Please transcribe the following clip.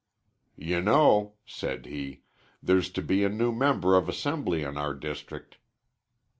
"You know," said he, "there's to be a new member of Assembly in our district."